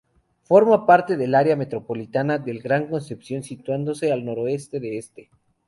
Forma parte del área metropolitana del Gran Concepción, situándose al noroeste de este.